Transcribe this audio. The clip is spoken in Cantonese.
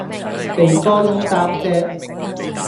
鼻哥窿擔遮